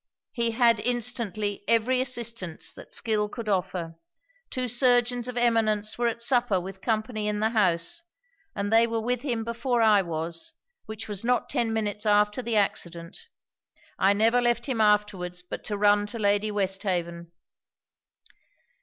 'He had instantly every assistance that skill could offer. Two surgeons of eminence were at supper with company in the house; and they were with him before I was, which was not ten minutes after the accident. I never left him afterwards, but to run to Lady Westhaven.'